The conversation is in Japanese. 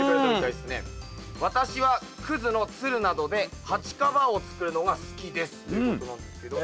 「私は葛のつるなどで鉢カバーを作るのが好きです」ということなんですけど。